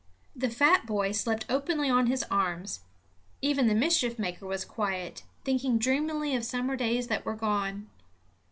The fat boy slept openly on his arms; even the mischief maker was quiet, thinking dreamily of summer days that were gone.